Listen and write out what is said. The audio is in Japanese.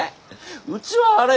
うちはあれよ。